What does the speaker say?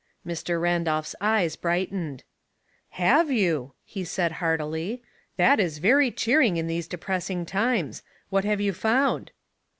Mr. Randolph's eyes brightened. ''^ Have you?" he said, heartily. "That is very cheering in these depressing times. What have you found